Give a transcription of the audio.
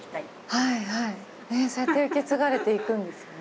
はいはいねえそうやって受け継がれていくんですね